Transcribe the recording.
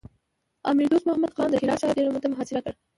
امیر دوست محمد خان د هرات ښار ډېره موده محاصره کړ.